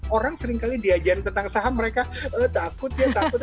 orang seringkali diajarin tentang saham mereka takut ya takut